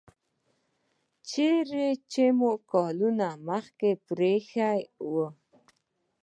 چیرته چې مو کلونه مخکې پریښی و